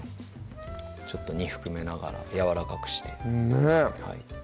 ちょっと煮含めながらやわらかくしてねぇはい